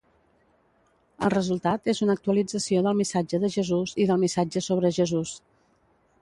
El resultat és una actualització del missatge de Jesús i del missatge sobre Jesús.